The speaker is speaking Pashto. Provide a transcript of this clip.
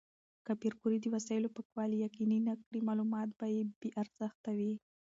که پېیر کوري د وسایلو پاکوالي یقیني نه کړي، معلومات به بې ارزښته وي.